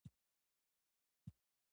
څوک له پاچاهانو سره څرنګه رابطه نیسي.